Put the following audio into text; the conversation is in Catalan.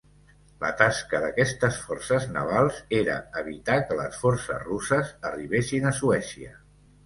La tasca d'aquestes forces navals era evitar que les forces russes arribessin a Suècia.